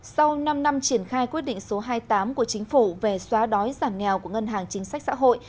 sau năm năm triển khai quyết định số hai mươi tám của chính phủ về xóa đói giảm nghèo của ngân hàng chính sách xã hội